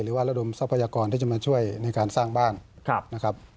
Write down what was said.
ระดมทรัพยากรที่จะมาช่วยในการสร้างบ้านนะครับ